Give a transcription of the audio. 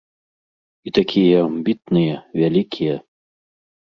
І такія амбітныя, вялікія.